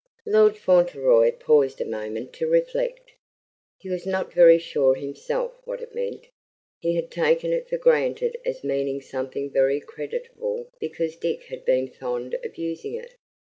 Lord Fauntleroy paused a moment to reflect. He was not very sure himself what it meant. He had taken it for granted as meaning something very creditable because Dick had been fond of using it.